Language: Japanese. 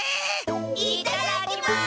いただきます！